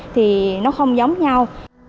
thì nó không giống nhau